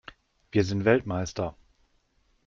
Wir sind Weltmeister!